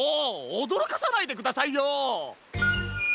おどろかさないでくださいよ！